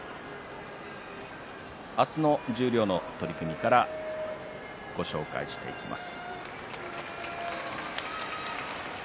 明日の十両の取組からご紹介します。